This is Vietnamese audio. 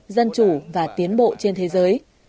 dân chủ và tiến bộ trên thế giới